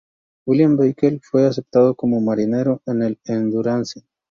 William Bakewell fue aceptado como marinero en el "Endurance".